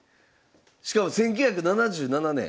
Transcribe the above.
しかも１９７７年。